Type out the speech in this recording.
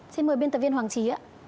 xin mời biên tập viên hoàng trí